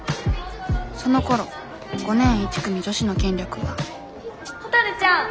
そのころ５年１組女子の権力はほたるちゃん。